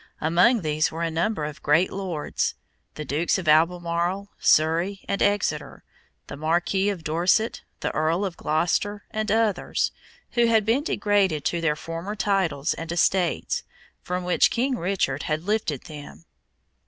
Among these were a number of great lords the Dukes of Albemarle, Surrey, and Exeter, the Marquis of Dorset, the Earl of Gloucester, and others who had been degraded to their former titles and estates, from which King Richard had lifted them.